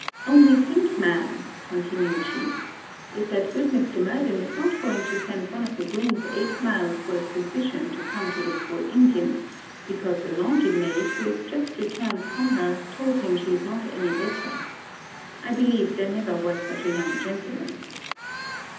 'Only think, Ma'am,' continued she, 'if that good Mr. Murden is not going to send one of the grooms eight miles for a physician to come to the poor Indian, because the laundry maid, who is just returned from her, told him she is not any better. I believe there never was such a young gentleman.'